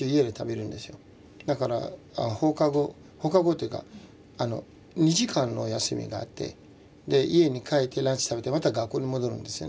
だから放課後放課後っていうか２時間の休みがあって家に帰ってランチ食べてまた学校に戻るんですよね。